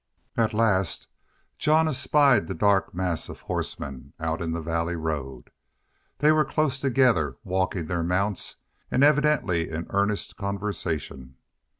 At last Jean espied the dark mass of horsemen out in the valley road. They were close together, walking their mounts, and evidently in earnest conversation.